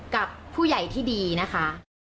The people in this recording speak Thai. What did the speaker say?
กับผู้ใหญ่ที่ดีนะคะ